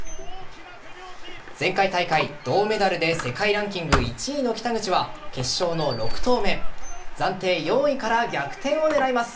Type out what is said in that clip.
前回大会、銅メダルで世界ランキング１位の北口は決勝の６投目暫定４位から逆転を狙います。